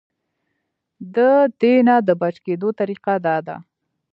د دې نه د بچ کېدو طريقه دا ده -